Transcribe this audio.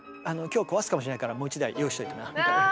「今日壊すかもしれないからもう１台用意しといてな」みたいな。